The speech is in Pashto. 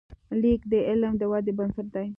لیک د علم د ودې بنسټ دی.